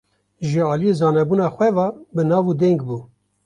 Ji aliyê zanebûna xwe ve bi nav û deng bûn.